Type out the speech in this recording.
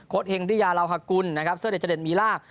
โค้ชเฮงริยาลาวฮะกุลเสื้อเด็ดมีราก